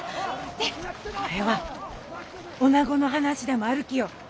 ねえこれはおなごの話でもあるきよ。